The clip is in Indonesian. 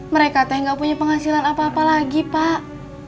mereka teh nggak punya penghasilan apa apa lagi pak